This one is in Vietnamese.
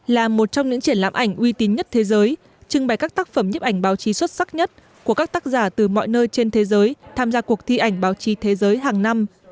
là một trong những triển lãm ảnh uy tín nhất thế giới trưng bày các tác phẩm nhếp ảnh báo chí xuất sắc nhất của các tác giả từ mọi nơi trên thế giới tham gia cuộc thi ảnh báo chí thế giới hàng năm